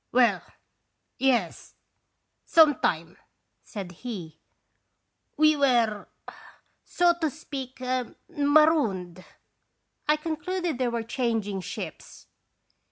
"Well yes some time," said he; " we are so to speak marooned." I concluded they were changing ships.